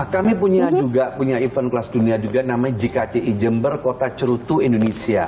kami punya juga punya event kelas dunia juga namanya jkci jember kota cerutu indonesia